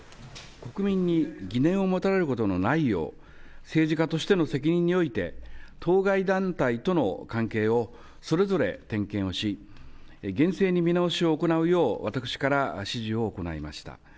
国民に疑念を持たれることのないよう、政治家としての責任において、当該団体との関係をそれぞれ点検をし、厳正に見直しを行うよう、私から指示を行いました。